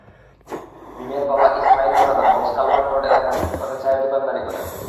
মিমের বাবা Ismail Howlader box culvert road এলাকার ফুটপাতে চায়ের দোকানদারি করেন।